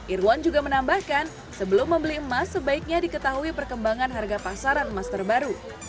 irwan juga menambahkan sebelum membeli emas sebaiknya diketahui perkembangan harga pasaran emas terbaru